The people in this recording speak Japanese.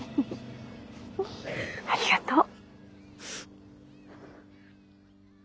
ありがとう。